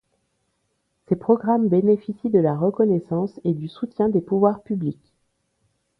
Ses programmes bénéficient de la reconnaissance et du soutien des pouvoirs publics.